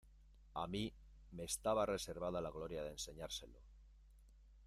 a mí me estaba reservada la gloria de enseñárselo.